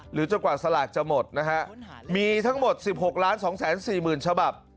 จนกว่าสลากจะหมดนะฮะมีทั้งหมด๑๖๒๔๐๐๐ฉบับ